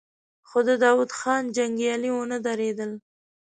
خو د داوود خان جنګيالي ونه درېدل.